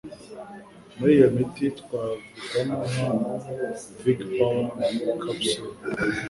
Muri iyo miti twavugamo nka Vig power Capsule,